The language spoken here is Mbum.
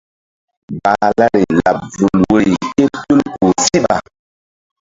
Gbahlari laɓ vul woyri ké tul kpuh síɓa.